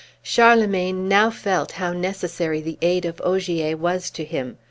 Charlemagne now felt how necessary the aid of Ogier was to him.